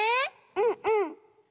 うんうん。